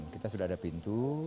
kita sudah ada pintu